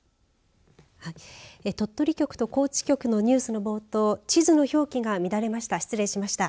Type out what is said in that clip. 鳥取局と高知局のニュースの冒頭地図の表記がみだれました。